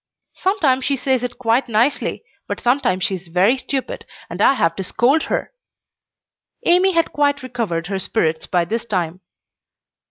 Sometimes she says it quite nicely, but sometimes she's very stupid, and I have to scold her." Amy had quite recovered her spirits by this time.